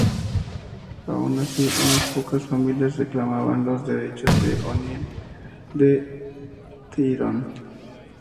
Aun así, unas pocas familias reclamaban los derechos de O'Neill de Tyrone.